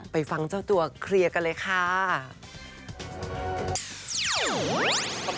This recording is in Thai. ฟังเจ้าตัวเคลียร์กันเลยค่ะ